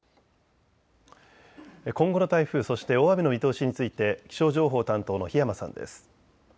今後の台風、そして大雨の見通しについて気象情報担当の檜山さんです。